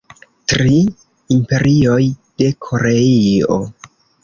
Tri imperioj de Koreio.